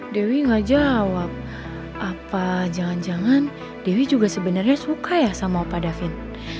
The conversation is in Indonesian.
nah nih dewi enggak jawab apa jangan jangan dewi juga sebenarnya suka ya sama opa davin